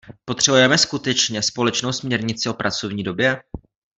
Potřebujeme skutečně společnou směrnici o pracovní době?